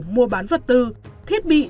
mua bán vật tư thiết bị